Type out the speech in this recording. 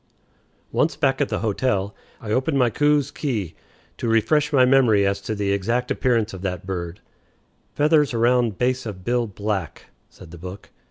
Once back at the hotel, I opened my Coues's Key to refresh my memory as to the exact appearance of that bird. "Feathers around base of bill black," said the book.